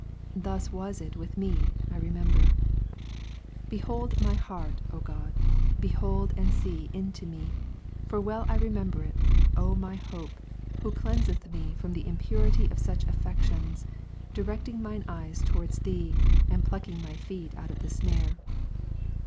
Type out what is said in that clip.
Thns was it with me, I remember. Behold my heart, O my God, behold and see into me ; for well I remember it, O my Hope, who cleansest me from the impm*ity of such affections, directing Ps. 25, mine eyes towards Thee, andpluckiny my feet out of the snare.